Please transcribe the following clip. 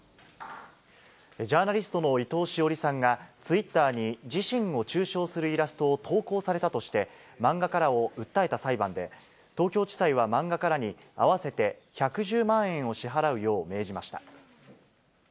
ジャーナリストの伊藤詩織さんが、ツイッターに自身を中傷するイラストを投稿されたとして、漫画家らを訴えた裁判で、東京地裁は漫画家らに合わせて１１０万円を支払うよう命じました。